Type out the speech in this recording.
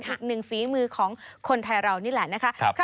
อีกหนึ่งฝีมือของคนไทยเรานี่แหละนะคะ